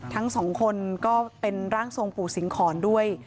ทั้งสองคนก็เป็นร่างทรงปู่สิงหอนด้วย